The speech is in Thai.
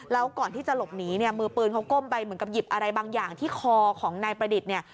แล้วก่อนที่จะหลบหนีเนี่ยมือปืนเขาก้มไปเหมือนกับหยิบอะไรบางอย่างที่คอของนายประดิษฐ์เนี่ย